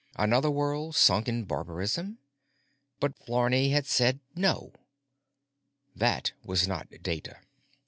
Another world sunk in barbarism? But Flarney had said—no; that was not data.